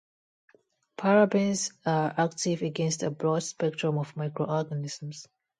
Parabens are active against a broad spectrum of microorganisms.